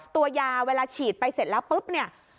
ตัวยาเวลาฉีดไปเสร็จแล้วปุ๊บเนี่ย